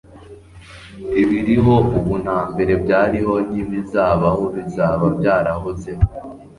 ibiriho ubu, na mbere byariho, n'ibizabaho bizaba byarahozeho